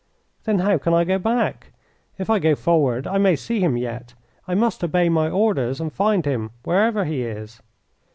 "Then how can I go back? If I go forward I may see him yet. I must obey my orders and find him whereever he is."